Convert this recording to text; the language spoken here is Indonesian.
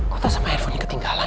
kok tas sama handphone ini ketinggalan